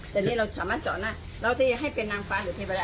แต่นี่เราสามารถจอดได้เราจะให้เป็นนางฟ้าหรือเทพ